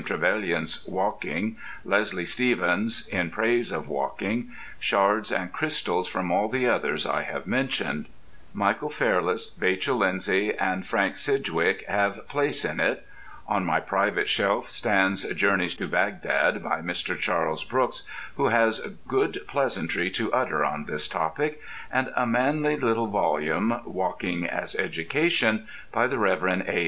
Trevelyan's "Walking," Leslie Stephen's "In Praise of Walking," shards and crystals from all the others I have mentioned. Michael Fairless, Vachel Lindsay, and Frank Sidgwick have place in it. On my private shelf stands "Journeys to Bagdad" by Mr. Charles Brooks, who has good pleasantry to utter on this topic; and a manly little volume, "Walking as Education," by the Rev. A.